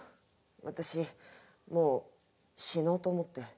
私もう死のうと思って。